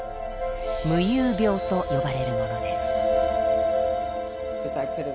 夢遊病と呼ばれるものです。